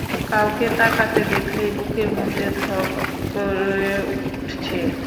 কাউকে তাকাতে দেখলেই বুকের মধ্যে ধক করে উঠছে।